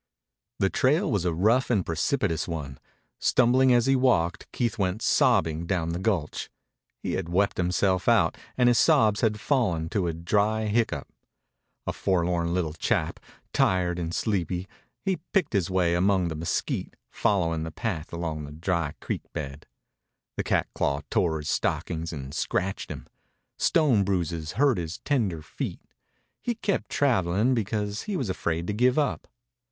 The trail was a rough and precipitous one. Stumbling as he walked, Keith went sobbing down the gulch. He had wept himself out, and his sobs had fallen to a dry hiccough. A forlorn little chap, tired and sleepy, he picked his way among the mesquite, following the path along the dry creek bed. The catclaw tore his stockings and scratched him. Stone bruises hurt his tender feet. He kept traveling, because he was afraid to give up.